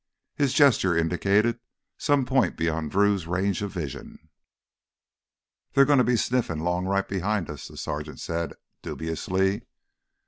His gesture indicated some point beyond Drew's range of vision. "They're gonna be sniffin' 'long right behind us," the sergeant said dubiously.